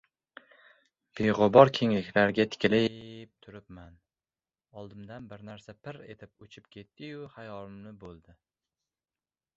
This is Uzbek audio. Begʻubor kengliklarga tikili-ib turibman, oldimdan bir narsa pirr etib uchib ketdiyu xayolimni boʻldi.